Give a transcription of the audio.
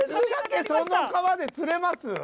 シャケそんな川で釣れます？